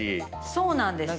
そうなんです。